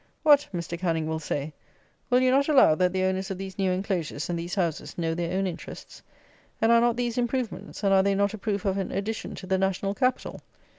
"What!" Mr. Canning will say, "will you not allow that the owners of these new enclosures and these houses know their own interests? And are not these improvements, and are they not a proof of an addition to the national capital?"